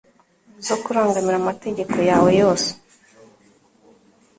zo kurangamira amategeko yawe yose